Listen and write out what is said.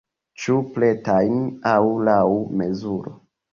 Ĉu pretajn aŭ laŭ mezuro?